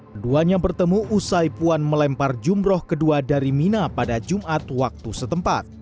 keduanya bertemu usai puan melempar jumroh kedua dari mina pada jumat waktu setempat